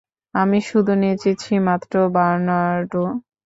আমি শুধু নেচেছি মাত্র, বার্নার্ডো।